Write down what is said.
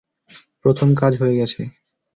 প্রথম কাজ হয়ে গেছে।